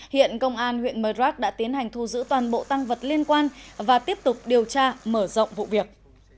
hiện công an huyện murdrock đã tiến hành thu giữ toàn bộ tăng vật liên quan và tiếp tục điều tra mở rộng vụ việc